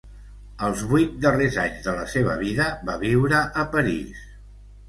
Els vuit darrers anys de la seva vida va viure a París.